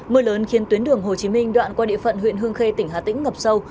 mưa lớn khiến tuyến đường hồ chí minh đoạn qua địa phận huyện hương khê tỉnh hà tĩnh ngập sâu